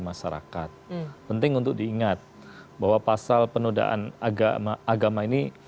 masyarakat penting untuk diingat bahwa pasal penodaan agama agama ini